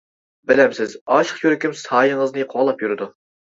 بىلەمسىز. ئاشىق يۈرىكىم سايىڭىزنى قوغلاپ يۈرىدۇ.